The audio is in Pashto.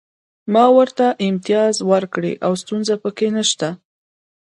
ما ورته امتیاز ورکړی او ستونزه پکې نشته